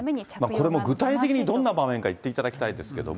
これも具体的にどんな場面か言っていただきたいですけども。